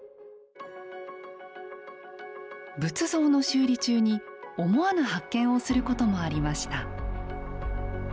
仏像の修理中に思わぬ発見をすることもありました。